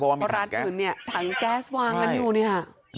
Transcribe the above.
เพราะว่ามีถังแก๊สร้านอื่นเนี่ยถังแก๊สวางกันอยู่นี่ฮะ